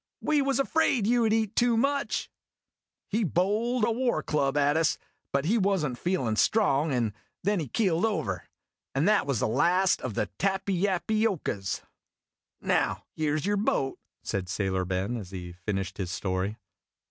"We was afraid you 'd eat too much !' He bowled a war club at us, but he was n't feelin' strong, and then he keeled over ; and that was the last of the Tappy appy ocas. " Now, here 's your boat," said Sailor Ben, as he finished his story.